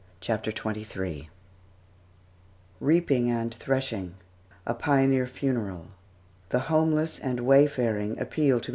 CHAPTER XXIII REAPING AND THRESHING A PIONEER FUNERAL THE HOMELESS AND WAYFARING APPEAL TO MRS.